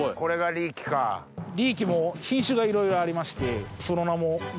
リーキも品種がいろいろありましてその名も。